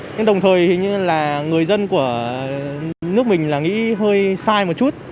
nhưng đồng thời hình như là người dân của nước mình là nghĩ hơi sai một chút